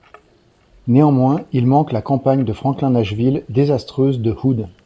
Néanmoins, il manque la campagne de Franklin-Nashville désastreuse de Hood.